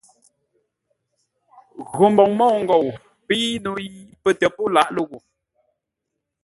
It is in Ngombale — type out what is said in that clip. Gho mboŋ môu-ngou pei no yi pətə́ po laʼ lə́ gho.